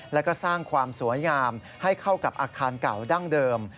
แล้วก็สร้างความสวยงามให้เข้ากับอาคารเก่าดั้งเดิม